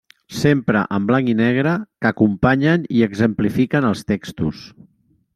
Sempre en blanc i negre, que acompanyen i exemplifiquen els textos.